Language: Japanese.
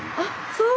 そう。